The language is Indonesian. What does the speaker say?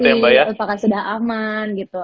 sudah boleh operasi apakah sudah aman gitu